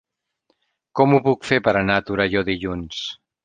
Com ho puc fer per anar a Torelló dilluns?